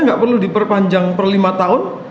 nggak perlu diperpanjang per lima tahun